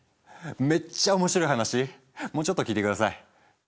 めっちゃ面白い話もうちょっと聞いて下さい。